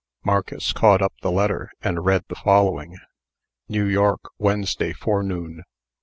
Marcus caught up the letter, and read the following: NEW YORK, Wednesday Forenoon.